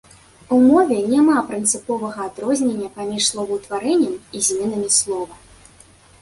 У мове няма прынцыповага адрознення паміж словаўтварэннем і зменамі слова.